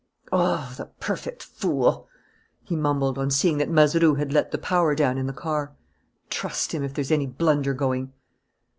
"Oh, the perfect fool!" he mumbled, on seeing that Mazeroux had let the power down in the car. "Trust him, if there's any blunder going!"